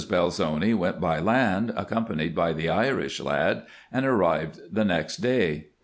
Belzoni went by land, accompanied by the Irish lad, and arrived the next day.